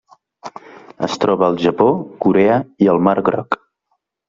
Es troba al Japó, Corea i el Mar Groc.